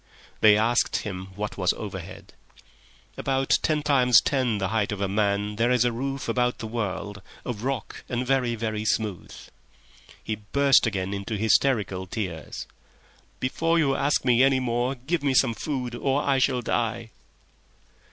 They asked him what was overhead. "About ten times ten the height of a man there is a roof above the world—of rock—and very, very smooth. So smooth—so beautifully smooth .." He burst again into hysterical tears. "Before you ask me any more, give me some food or I shall die!"